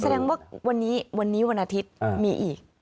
แสดงว่าวันนี้วันนี้วันอาทิตย์มีอีก